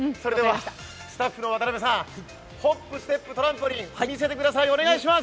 スタッフの渡邊さん、ホップステップトランポリン見せてください、お願いします。